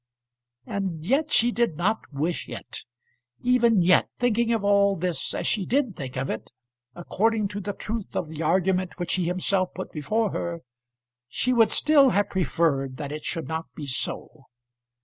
And yet she did not wish it. Even yet, thinking of all this as she did think of it, according to the truth of the argument which he himself put before her, she would still have preferred that it should not be so.